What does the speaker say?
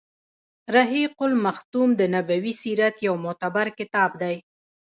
رحيق المختوم د نبوي سیرت يو معتبر کتاب دی.